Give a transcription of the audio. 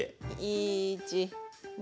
１２。